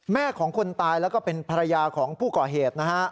แม่ของคนตายแล้วก็เป็นภรรยาของผู้ก่อเหตุนะฮะ